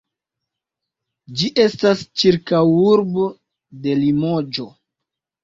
Ĝi estas ĉirkaŭurbo de Limoĝo.